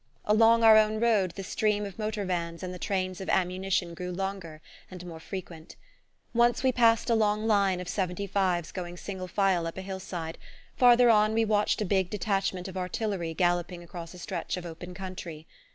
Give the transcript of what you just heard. Along our own road the stream of motor vans and the trains of ammunition grew longer and more frequent. Once we passed a long line of "Seventy fives" going single file up a hillside, farther on we watched a big detachment of artillery galloping across a stretch of open country.